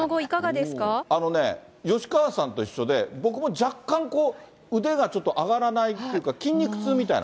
あのね、吉川さんと一緒で、僕も若干、腕がちょっと上がらないというか、筋肉痛みたいな。